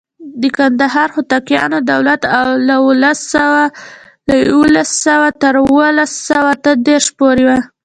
د کندهار هوتکیانو دولت له اوولس سوه تر اوولس سوه اته دیرش پورې و.